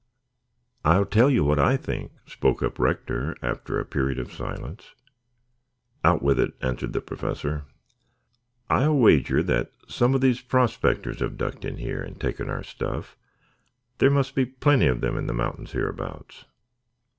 "I'll tell you what I think," spoke up Rector after a period of silence. "Out with it," answered the Professor. "I'll wager that some of these prospectors have ducked in here and taken our stuff. There must be plenty of them in the mountains hereabouts."